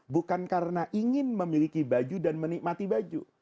bukan karena ingin memiliki baju dan menikmati baju